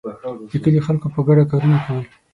د کلي خلکو په ګډه کارونه کول.